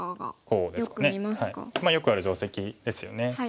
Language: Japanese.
よくある定石ですよね。